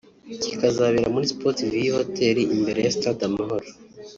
kikazabera kuri Sports View Hotel imbere ya Stade Amahoro